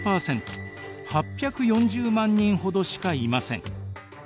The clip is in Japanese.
８４０万人ほどしかいません。